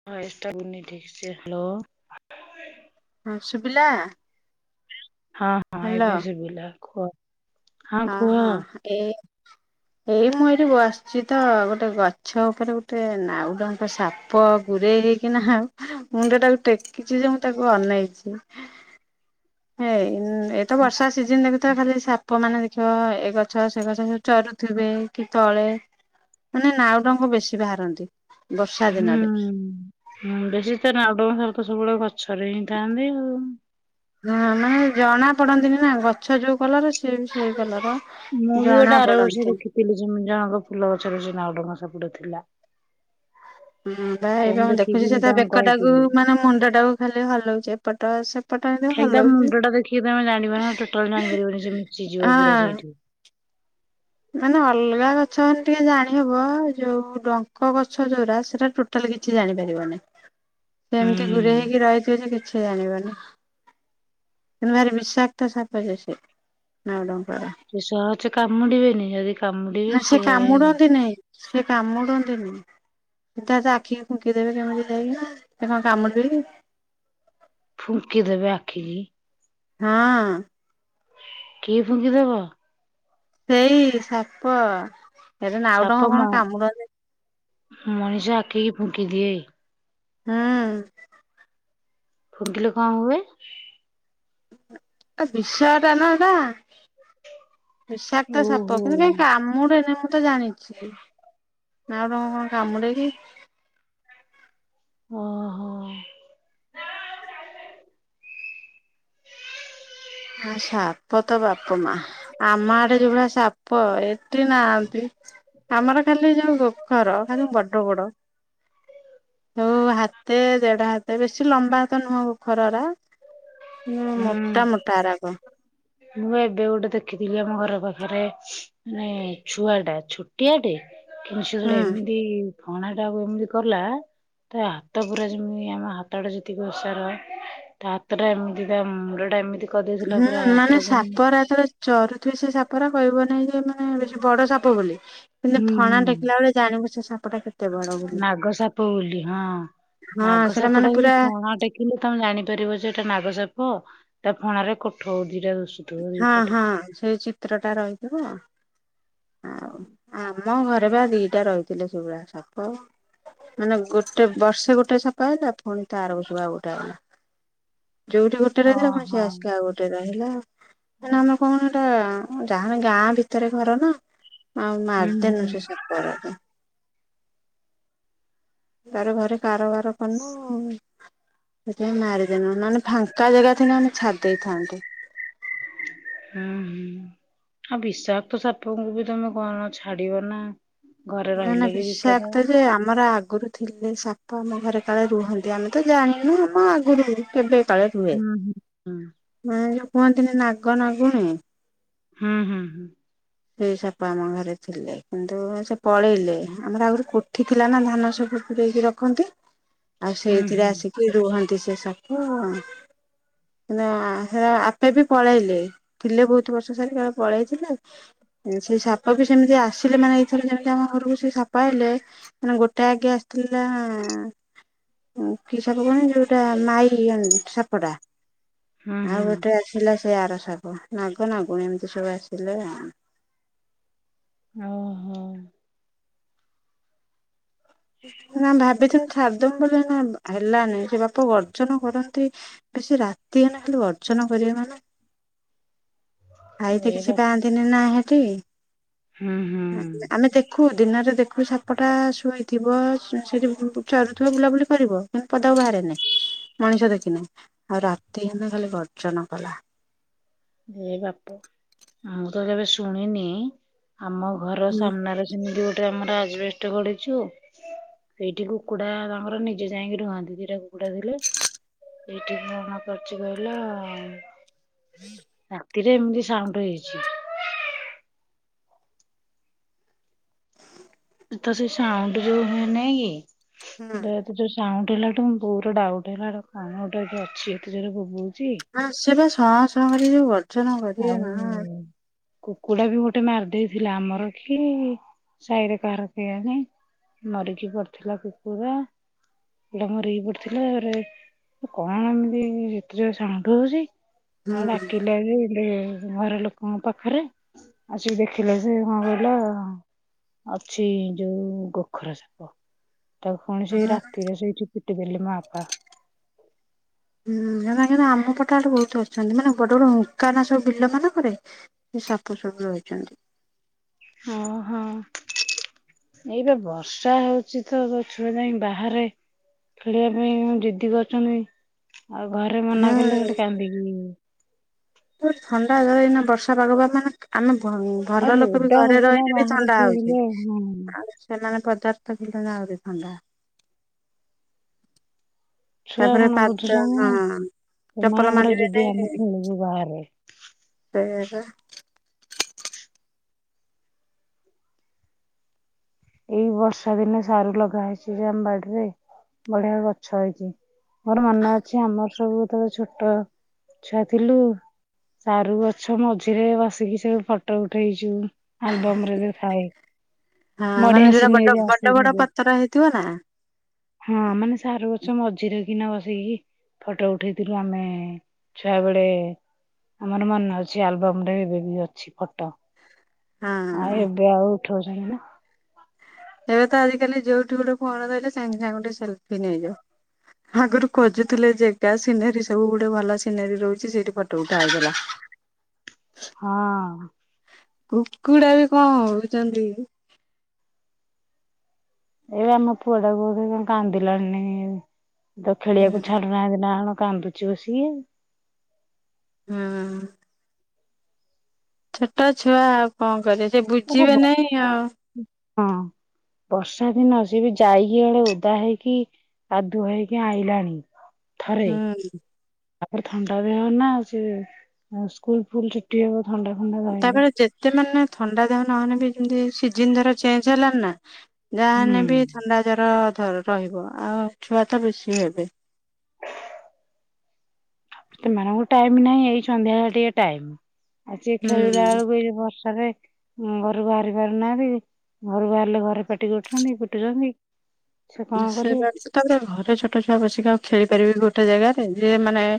[unintelligible] Hello. ହୁଁ ସୁଭିଲା? ହଁ ହଁ ଏବେ ଶୁଭିଲା କୁହ। ହଁ ହଁ ଏ ଏଇ ମୁଁ ଏଇଠି ବସିଛି ତ ଗୋଟେ ଗଛ ଉପରେ ଗୋଟେ ନାଉଡଙ୍କ ସାପ ପ ଗୁରେଇ ହେଇକିନା ଆଉ ମୁଣ୍ଡ ତାକୁ ଟେକିଛି ଯେ ମୁଁ ତାକୁ ଅନେଇଛି। ହେଇ ଏଇତ ବର୍ଷା ସିଜନ ଦେଖୁଥିବା ଖାଲି ସାପ ମାନେ ଛ ଏ ଗଛ ସେ ଗଛ ଯ ଚରୁଥିବେ କି ତଳେ ମାନେ ନାଉଡଙ୍ଗ ବେଶୀ ବାହାରନ୍ତି ବର୍ଷା ହୁଁ। ଦିନରେ ହୁଁ ବେଶୀ ତ ନାଉଡଙ୍କ ସ ତ ସବୁବେଳେ ଗଛରେ ହିଁ ଥାଆନ୍ତି ଆଉ। ହ ମାନେ ଜଣା ପଡନ୍ତିନି ନା ଗଛ ଯୋଉ କଲର ସିଏ ବି ସେଇ କଲର। ମୁଁ ବି ଜଣା ଗୋଟେ ଆର ବର୍ଷ ପଡନ୍ତି ଦେଖିଥିଲି ଯେ ଜଣଙ୍କ ଫୁଲ ଗଛରେ ସେ ନାଉଡଙ୍କ ସାପୁଟେ ଥିଲା। ହଁ ବା ତ ଏବେ ମୁଁ ଦେଖିକି ଦେଖୁଛି ସେ ତା ତାଙ୍କୁ ବେକଟାକୁ କହିଥିଲି। ମାନେ ମୁଣ୍ଡ ଟାକୁ ଖାଲି ହଲଉଛି ଏପଟ ସେ ପଟ ଏନ୍ତୀ ଖାଲି ତା ହଲୋଉଛି ମୁଣ୍ଡ ଟା ଦେଖିକି ତମେ ଜାଣିବ ନା ଟୋଟାଲ ଜାଣିପାରିବନି ସେ ମିଶିଯିବ ପୁରା ହଁ। ସେଇଠି। ମାନେ ଅଲଗା ଗଛ ହେନେ ଟିକେ ଜାଣିହବ ଯୋଉ ଡଙ୍କ ଗଛ ଯୋଉରା ସେଇରା ଟୋ ତାହେଲେ କିଛି ଜାଣିପାରିବନି ସେ ହୁଁ ଏମିତି ଗୁରେଇ ହେଇକି ରହିଥିବେ ଯେ କିଛି ଜାଣିବନି। କିନ୍ତୁ ଭାରି ବିଶାକ୍ତ ସାପ ଯେ ସେ। ନାଉଡଙ୍କର ସେ ସହଜେ କାମୁଡିବେନି ଯଦି କାମୁଡିବେ ନା ସେ କାଳେ କାମୁଡନ୍ତି ନାଇଁ। ସେ କାମୁଡନ୍ତିନି। ସିଧା ତା ଆଖି ଫୁଙ୍କିଦେବେ କେମିତି ଯାଇକି ସେ କଣ କାମୁଡିବେ କି। ଫୁଙ୍କି ଦେବେ ଆଖି କି? ହଁ। କିଏ ଫୁଙ୍କି ଦବ? ସେଇ ସାପ ଏରା ନାଉ ଡଙ୍କ ସାପ କଣ ମ କାମୁଡନ୍ତି ମଣିଷ ଆଖିକି ଫୁଙ୍କିଦିଏ? ହଁ। ଫୁଙ୍କିଲେ କଣ ହୁଏ? ଏ ବିଷ ଟା ନା ଏଇଟା। ବିଷାକ୍ତ ସାପ ଓହୋ। କିନ୍ତୁ କାଇଁ କାମୁଡେନି ମୁଁ ତ ଜାଣିନି। ନାଉଡଙ୍କ କଣ କାମୁଡେ କି? ଓ ହୋ। ହ ସାପ ତ ବାପ ମା ଆମ ଆଡେ ଯୋଉଭଳିଆ ସା ପ ଏଠି ନାହାନ୍ତି ଆମର ଖାଲି ଯୋଉ ଗୋଖର ଖାଲି ବଡ ବଡ। ଯୋଉ ହାତେ ଦେଢ ହାତେ ବେଶୀ ଲମ୍ବା ତ ନୁହଁ ଗୋଖର ଗୁରା। ହୁଁ ମୋଟା ମୋଟା ଏରାକ। ମୁଁ ଏବେ ଗୋଟେ ଦେଖିଥିଲି ଆମ ଘର ପାଖରେ। ମାନେ ଛୁଆ ଟା ଛୋଟିଆ ଟେ କିନ୍ତୁ ସେ ହୁଁ ଯେତେବେଳେ ଏମିତି ଫଣା ଟାକୁ ଏମିତି କଲା ତା ହାତ ପୁରା ଯେମିତି ଆମ ହାତ ଟା ଯେତିକି ଓସାର ତା ହାତଟା ଏମିତି ତା ମୁଣ୍ଡ ଟା ଏମିତି କରିଦେଇଥିଲା ହୁଁ ପୁରା ମାନେ ହାତଟାକୁ ସାପ ଉରା ତ ଚରୁଥିବେ ସେ ସାପଗୁରା କହିବ ନାଇଁ ଯେ ମାନେ ବେଶୀ ବଡ ସାପ ବୋଲି। କିନ୍ତୁ ହୁଁ ଫଣା ହୁଁ। ଟେକିଲା ବେଳେ ଜାଣିବୁ ସେ ସାପ ଟା କେତେ ବଡ ବୋଲି। ନାଗ ସାପ ବୋଲି ହଁ। ହଁ ସେଟା ମାନେ ପୁରା ଦେଖିଲେ ତମେ ଜାଣିପାରିବ ଯେ ଏଟା ନାଗସାପ ତା ଫଣାରେ କୋଠଉ ଦିଟା ଦୁଷ ହଁ ହଁ ସେ ଚିତ୍ର ଟା ରହିଥିବ। ଆଉ ଆମ ଘରେ ବା ଦିଟା ରହିଥିଲେ ସେଇଭଳିଆ ସାପ। ମାନେ ଗୋଟେ ବର୍ଷେ ଗୋଟେ ସାପ ଆଇଲା ପୁଣି ତା ଆର ବର୍ଷକୁ ଆଉ ଗୋଟେ ଆଇଲା। ଯୋଉଠି ଗୋଟେ ରହିଲା ପୁଣି ସେ ଓହୋ। ଆସିଲା ଆଉ ଗୋଟେ ରହିଲା ନା ନା କଣ ହେଟା ଯା [unintelligible] ଗାଁ ଭିତରେ ଘର ନା ଆଉ ହୁଁ ମାରିଦେନୁ ହୁଁ। ସେ ସାପ ରାକୁ। ତାର ଘରେ କାରବାର କଲୁ ସେଥିପାଇଁ ମାରିଦେଲୁ ମାନେ ଫାଙ୍କା ଜାଗା ଥିଲେ ଆମେ ଛାଡି ଦେଇ ଥାନ୍ତୁ। ହୁଁ ହୁଁ। ଆଉ ବିଷାକ୍ତ ସାପଙ୍କୁ ବି ତମେ କଣ ଛାଡିବ ନା। ଘରେ ନା ନା ରହିଲେ ବି ବିପଦ। ବିଷାକ୍ତ ଯେ ଆମର ଆଗରୁ ଥିଲେ ସାପ ଆମ ଘରେ କାଳେ ରୁହନ୍ତି ଆମେ ତ ଜାଣିନୁ ଆଗରୁ କେବେ ତଳେ ରୁହେ ହୁଁ ହୁଁ। ମାନେ ଯୋଉ କୁହନ୍ତିନି ନାଗ ନାଗୁଣୀ ହୁଁ ହୁଁ। ସେଇ ସାପ ଆମ ଘରେ ଥିଲେ କିନ୍ତୁ ସେ ପଳେଇଲେ ଆମର ଆଗରୁ କୋଠି ଥିଲା ନା ଧାନ ସବୁ। ଦେଇକି ରଖନ୍ତି ଆଉ ହୁଁ ହୁଁ ସେଇଥିରେ ଆସିକି ରୁହନ୍ତି ସେ ସାପ। ନା ସେ ଆପେ ବି ପଳେଇଲେ। ଥିଲେ ବହୁତ ବର୍ଷ ସାରିକି କୁଆଡେ ପଳେଇଥିଲେ। ହୁଁ ସେଇ ସାପ ବି ସେମିତି ଆସିଲେ ମାନେ ଏଇଥର ଯେମିତି ଆମ ଘରକୁ ସେ ସାପ ଆଇଲେ ମାନେ ଗୋଟେ ଆଗେ ଆସିଥିଲା କି ସାପ ଜାଣିଛୁ ଯୋଉଟା ମାଇ ସାପଟା। ହୁଁ ଆଉ ହୁଁ। ଗୋଟେ ଆସିଲା ସେ ଆର ସାପ ନାଗ ନାଗୁଣୀ ଏମିତି ସବୁ ଆସିଲେ ଆଉ। ଓହୋ। ନା ଭାବିଥିଲୁ ଛାଡଦବୁ ବୋଲି ନା ହେଲାନି ସେ ବାପ ଗର୍ଜନ କରନ୍ତି ବେସି ରାତି ହେନେ ଖାଲି ଗର୍ଜନ କରିବ ମାନେ। ଖାଇତେ ଏ ବା କିଛି ପାଆନ୍ତିନି ନା ହେଠି ହୁଁ ହୁଁ ଆମେ ଦେଖ ଖୁ ଦିନରେ ଦେଖୁ ସାପଟା ଶୁଆଇ ଥିବ ସେଠି ଚରୁଥିବ ବୁଲାବୁଲି କରିବ କିନ୍ତୁ ପଦାକୁ ବାହାରେ ନାହିଁ ମଣିଷ ଦେଖେନି। ଆଉ ରାତି ହେନେ ଖାଲି ଗର୍ଜନ କଲା। ଏ ବାପ ମୁଁ ତ କେବେ ଶୁଣିନି ଆମ ଘର ହୁଁ ସାମ୍ନାରେ ଯେମିତି ଗୋଟେ ଆମର ଆଜବେଷ୍ଟ ଗଡ଼ିଚୁ ସେଇଠି କୁକୁଡ଼ା ତାଙ୍କର ନିଜେ ଯାଇକି ରୁହନ୍ତି ଦିଟା କୁକୁଡ଼ା ଥିଲେ। ଏଇଠି କଣ କରିଛି କହିଲ? ରାତିରେ ଏମିତି ସାଉଣ୍ଡ ହେଇଛି। ତ ସେ ସାଉଣ୍ଡ ଯୋଉ ହୁଏ ନେଇ କି ଏତେ ଯୋର ସାଉଣ୍ଡ ହେଲାଠୁ ବୋଉର ଡାଉଟ୍ ହେଲା କଣ ଗୋଟେ ଏଠୀ ଅଛି ଏତେ ଯୋର୍ ବୋବୋଉଛି। ହଁ ସେ ପା ସଂ ସଂ କରିକି ଯୋଉ ଗର୍ଜନ କରିବେ ମା କୁକୁଡ଼ା ବି ଗୋଟେ ମାରିଦେଇଥିଲା ଆମର କି ସାହିରେ କାହାର କେୟାଣି। ମରିକି ପଡ଼ିଥିଲା କୁକୁରା ପଟା ମରିକି ପଡ଼ିଥିଲା ତାପରେ କଣ ଏମିତି ଏତେଯୋରେ ସାଉଣ୍ଡ ହଉଛି ହୁଁ ଆଉ ଡାକିଲେବି ଗୋଟେ ଘର ଲୋକଙ୍କ ପାଖରେ ଆସିକି ଦେଖିଲେ ଯେ କଣ କହିଲ? ଅଛି ଯୋଉ ଗୋଖୋର ସାପ। ତାକୁ ପୁଣି ହୁଁ ସେଇ ରାତିରେ ସେଇଠି ପିଟି ଦେଲେ ମୋ ଆପା। ହୁଁ ଏମାନେ ଆମ ପଟେ ଆଡ଼େ ବହୁତ ଅଛନ୍ତି ମାନେ ବଡ଼ ବଡ଼ ହୁଙ୍କା ନା ସବୁ ବିଲ ମାନଙ୍କରେ। ସେ ସାପ ସବୁ ରହିଛନ୍ତି। ହଁ ହଁ। ଏଇପା ବର୍ଷା ହେଉଚି ତ ଛୁଆ ଯାଇ ବାହାରେ ଖେଳିବା ପାଇଁ ଦିଦି କରୁଛନ୍ତି ଆଉ ଘରେ ମନା କଲେ ସେଠି କାନ୍ଦିକି ଥଣ୍ଡା ଜର ଏଇନା ବର୍ଷା ପାଗ ବା ମାନେ ଆମେ ଭଲ ଆଉ ଲୋକ ବି ଓଦା ଘରେ ହବ ନା ରହିଲେ ବି ବାହାରେ ଥଣ୍ଡା ହଉଛି ଖେଳିଲେ ହଁ। ଆଉ ସେମାନେ ପଦାରେ ତ ଥିଲେ ଆହୁରି ଥଣ୍ଡା। ଛୁଆ ତାପରେ କଣ ପାଦ ବୁଝୁଛନ୍ତି ହଁ ନା ଚପଲ ସେମାନଙ୍କର ମାଡ଼ିବେ ଯଦି ନେଇ ଆମେ ଖେଳିବୁ ବାହାରେ ସେଇଆ ପା। ଏଇ ବର୍ଷା ଦିନେ ସାରୁ ଲଗା ହେଇଛି ଯେ ଆମ ବଡିରେ ବଢିଆ ଗଛ ହେଇଛି। ମୋର ମନେ ଅଛି ଆମର ସବୁ ତ ଛୋଟ ଛୁଆ ଥିଲୁ। ସାରୁ ଗଛ ମଝିରେ ବସିକି ସବୁ ଫଟୋ ଉଠେଇଛୁ ଆଲବମ୍ ରେବିଥାଏ। ହଁ ମାନେ ଯୋଉଟା ବଡ ବଡ ଆସେ ବଡ କିନ୍ତୁ ପତର ହେଇଥିବ ନା। ହଁ ମାନେ ସାରୁ ଗଛ ମଝିରେ କିନା ବସିକି ଫଟୋ ଉଠେଇଥିଲୁ ଆମେ ଛୁଆ ବେଳେ। ଆମର ମନେ ଅଛି ଆଲବମ ରେ ଏବେ ବି ଅଛି ଫଟ। ଆଉ ହଁ ଏବେ ଆଉ ଉଠଉଛନ୍ତି। ଏବେ ତ ଆଜିକାଲି ଯୋଉଠି ଗୋଟେ ଫୋନ ଧଇଲେ ସାଙ୍ଗେ ସାଙ୍ଗେ ଗୋଟେ ସେଲଫି ନେଇଯାଅ। ଆଗରୁ ଖୋଜୁଥିଲେ ଯେଗା ସିନେରୀ ସବୁ ଗୁଟେ ଭଲ ସିନେରୀ ରହୁଛି ସେଇଠି ଫଟୋ ଉଠା ହଉଥିଲା। [inaudible] ହଁ। କୁକୁଡ଼ା ବି କଣ ହଉଛନ୍ତି? ଏଇ ବା ମୋ ପୁଅଟାକୁ କଉଠି କଣ କାନ୍ଦିଲାଣି [unintelligible] ତ ଖେଳିଆକୁ ଛାଡୁନାହାନ୍ତି ନାଆଣ କାନ୍ଦୁଚି ବସିକି ଆଉ। ହୁଁ। ଛୋଟ ଛୁଆ ଆଉ କଣ କରିବ ସେ ବୁଝିବେ ନେଇଁ ଆଉ। ହଁ ବର୍ଷା ଦିନ ସେ ବି ଯାଇକି ଆଡ଼େ ଓଦା ହେଇକି ଆ ଦୁହେଇକି ଆଇଲାଣି। ଥରେ ହୁଁ ତାପରେ ଥଣ୍ଡାବି ହୁଏନା ସେ ସ୍କୁଲ ଫୁଲ ଛୁଟି ହେବ। ଥଣ୍ଡା [unintelligible] ତାପରେ ଯେତେ ମାନେ ଥଣ୍ଡା ଦେହ ନହେଲେ ବି ଯେମିତି ସିଜିନ ଧର ଚେଞ୍ଜ ହେଲାଣି ନା ହୁଁ। ଯାହେଲେ ବି ଥଣ୍ଡା, ଜର ଧର ରହିବ ଆଉ ଛୁଆ ତ ବେଶୀ ହେବେ। ସେମାନଙ୍କୁ ଟାଇମ୍ ନାହିଁ ଏଇ ସନ୍ଧ୍ୟାବେଳେ ଟିକେ ଟାଇମ୍। ଆଜି ଖେଳିଲା ହୁଁ ବେଳକୁ ଏ ବର୍ଷାରେ ଉ-ଉ ଘରୁ ବାହାରି ପାରୁନାହାନ୍ତି। ଘରୁ ବାହାରିଲେ ଘରେ ପାଟି କରୁଛନ୍ତି, କୁଟୁଛନ୍ତି। ସେ [unintelligible] ତାପରେ ଘରେ ଛୋଟ ଛୁଆ ବସିକି ଆଉ ଖେଳିପାରିବେ ଗୋଟେ ଜାଗାରେ ଯିଏ ମାନେ-ଏ-ଏ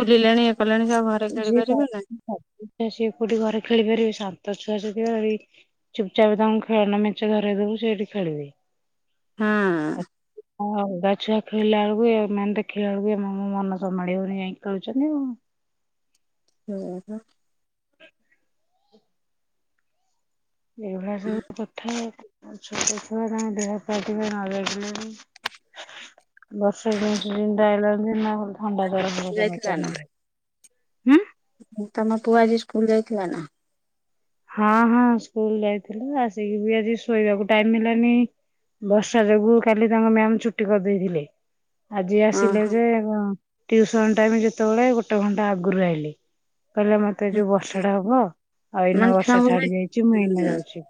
ବୁଲିଲେଣି ଇଏ କଲେଣି ସିଏ ଆଉ ଘରେ ଖେଳି ଯିଏ ପାରିବେ [inaudible] ସିଏ କୋଉଠି ଘରେ ଖେଳିପାରିବେ ଶାନ୍ତ ଛୁଆ [unintelligible] ଚୁପଚାପ ତାଙ୍କୁ ଖେଳନା ମେଞ୍ଚେ ଧରେଇ ଦବୁ ସେଇଠି ଖେଳିବେ। ନା ଆ ହଁ ଅଲଗା ଛୁଆ ଖେଳିଲା ବେଳକୁ ଏମାନେ ଦେଖିଲା ବେଳକୁ ଆମ ମନ ସମ୍ଭାଳି ହଉନି ଯାଇକି ଖେଳୁଛନ୍ତି ଆଉ। ହୁ ହୋ ହଁ ଏଇଭଳିଆ ସବୁ କଥା ଆଉ। ଉ ଛୋଟ ଛୁଆ ତାଙ୍କ ଦେହ [unintelligible] ବର୍ଷା ସିଜିନଟା [unintelligible] ଥଣ୍ଡା [unintelligible] ଯାଇଥିଲା ନା ତମରେ। ତମ ପୁଅ ଆଜି ସ୍କୁଲ ଯାଇଥିଲା ନା? ହଁ ହଁ ସ୍କୁଲ ଯାଇଥିଲା ଆସିକି ବି ଆଜି ଶୋଇବାକୁ ଟାଇମ୍ ହେଲାନି। ବର୍ଷା ଯୋଗୁ କାଲି ତାଙ୍କ ମ୍ୟାମ ଛୁଟି କରିଦେଇଥିଲେ। ଆଜି ଆସିଲେ ଓହୋ ଯେ ହଁ, ଟ୍ୟୁସନ ଟାଇମ୍ ଯେତେବେଳେ ଗୋଟେ ଘଣ୍ଟା ଆଗରୁ ଆଇଲେ କହିଲେ ମତେ ମତେ ଯୋଉ ବର୍ଷା ଟା ହବ, ଆଉ ଏଇନା ମାନେ ବର୍ଷା ଛୁଆଙ୍କୁ ବି ଛାଡି ଯାଇଛି, ମୁଁ ଏଇନା ହୁଁ ଯାଉଛି।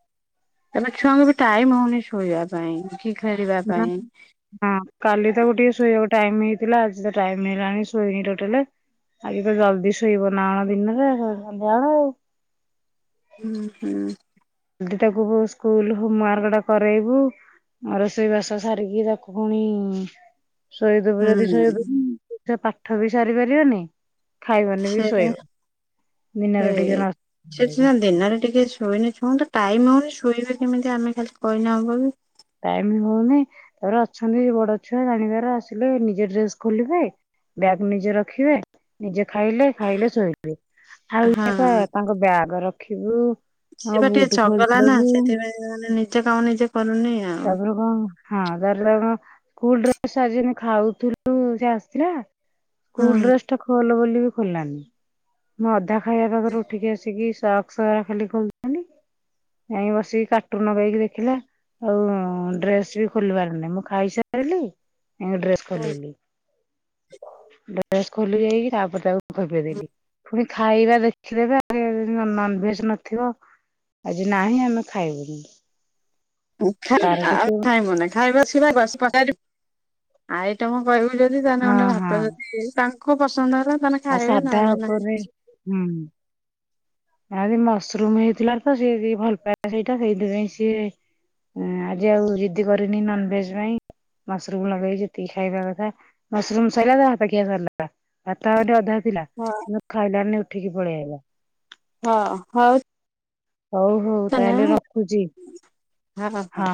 ତାପରେ ଛୁଆଙ୍କୁ ବି ଟାଇମ ହଉନି ଶୋଇବା ପାଇଁ କି ଖେଳିବା ନା ପାଇଁ। ହଁ କାଲି ତାକୁ ଟିକେ ଶୋଇବାକୁ ଟାଇମ ହେଇଥିଲା। ଆଜି ତ ଟାଇମ ହେଇଲାଣି ଶୋଇନି ଟୋଟାଲି। ଆଜି ପୁରା ଜଲଦି ଶୋଇବ ନା କଣ ଦିନରେ ସ ସନ୍ଧ୍ୟାବେଳ ଆଉ। ହୁଁ, ହୁଁ। ଜଲଦି ତାକୁ ସ୍କୁଲ ହୋମ ୱାର୍କ ଟା କରେଇବୁ। ମୋ ରୋଷେଇ ବାସ ସାରିକି ତାକୁ ପୁଣି-ଇ-ଇ-ଇ ଶୋଇଦବୁ ଯଦି ହୁଁ ଶୋଇଦବୁ ସେ ପାଠ ବି ସାରି ପାରିବନି। ଖାଇବନି ବି ଶୋଇବ ସେଇଥିପାଇଁ ସେ ଦିନରେ ଟିକେ ନ ସେ ବେଳକୁ ସିନା ଦିନରେ ଟିକେ ଶୋଇଲେ ହଁ ତ ଟାଇମ୍ ହେଉନି ଶୋଇବେ କେମିତି ଆମେ ଖାଲି କହିଲେ ହେବ କି। ଟାଇମ୍ ହଉନି ତାପରେ ଅଛନ୍ତି ବଡ ଛୁଆ ଜାଣିବାର ଆସିଲେ ନିଜେ ଡ୍ରେସ ଖୋଲିବେ। ବ୍ୟାଗ୍ ନିଜେ ରଖିବେ, ନିଜେ ଖାଇଲେ, ଖାଇଲେ ଶୋଇଲେ। ଆଉ ହଁ [inaudible] ତାଙ୍କ ବ୍ୟାଗ ରଖିବୁ। ସେ ତାଙ୍କ ବା ଟିକେ ବୁଟ ଚଗଲା ନା ଖୋଲିଦବୁ ସେଥିପାଇଁ ସେମାନେ ନିଜ କାମ ନିଜେ କରୁନି। ଆଉ। ତାପରେ କଣ ହବ। ହଁ [unintelligible] ସ୍କୁଲ ଡ୍ରେସ [inaudible] ଖାଉଥିଲୁ ସେ ଆସିଲା ସ୍କୁଲ ଡ୍ରେସ ଟା ଖୋଲ ବୋଲିକି ଖୋଲିଲାନି, ମୁଁ ଅଧା ଖାଇବା ପାଖରୁ ଉଠିକି ଆସିକି ସକ୍ସ ଖାଲି ଖୋଲିଦେଲି। ଯାଇ ବସିକି କାର୍ଟୁନ ଯାଇକି ଦେଖିଲା। ଆଉ-ଉ-ଉ-ଉ ଡ୍ରେସ ବି ଖୋଲିବାର ନାହିଁ ମୁଁ ଖାଇସାରିଲି ଡ୍ରେସ ହୁଁ ଖୋଲିଲି, ଡ୍ରେସ ଖୋଲି ଯାଇକି ତାପରେ ତାକୁ ଖୋବି ଦେଲି। ପୁଣି ଖାଇବା ଦେଖିଦେବେ [unintelligible] ନନଭେଜ ନଥିବ ଆଜି ନାହିଁ ଆମେ ଖାଇବୁନି। [inaudible] ତାର ଆଉ ଟିକେ ଖାଇବୁନି [inaudible] ଆଇଟମ କହିବୁ ଯଦି ତା ହେଲେ ହଁ ଗଣ୍ଡେ ହଁ ଭାତ ଯଦି ତାଙ୍କୁ ପସନ୍ଦ ହେଲା ତାହେଲେ ଆଉ ଖାଇବେ ସାଧା ନହେଲେ ନାହିଁ। ଉପରେ ହୁଁ ଆଜି ମସରୁମ ହେଇଥିଲା ତ ସିଏ ଟିକେ ଭଲ ପାଏ ସେଇଟା ସେଇଥିପାଇଁ ସିଏ ଏ ଆଜି ଆଉ ଜିଦି କରିନି ନନଭେଜ ପାଇଁ ମସରୁମ ଲଗେଇ ଯେତିକି ଖାଇବା କଥା ମସରୁମ୍ ସଇଲା ତା ଭାତ ଖିଆ ସରିଲା। ଭାତ ଆହୁରି ଅଧା ଥିଲା। ହଁ, କିନ୍ତୁ ଖାଇଲାନି ଉଠିକି ପଳେଇ ଆଇଲା। ହଁ ହ। ହଉ ହଉ ତାହେଲେ ରଖୁଛି ହଁ।